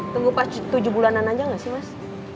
tunggu pas tujuh bulanan aja nggak sih mas